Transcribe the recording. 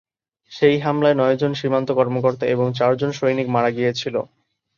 সেই হামলায় নয়জন সীমান্ত কর্মকর্তা এবং চারজন সৈনিক মারা গিয়েছিল।